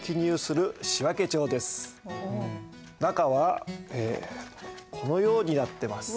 中はこのようになってます。